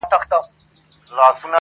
• زنګېدی د زمري لور ته ور روان سو -